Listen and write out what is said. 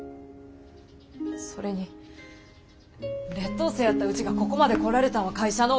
それに劣等生やったウチがここまで来られたんは会社のおかげや。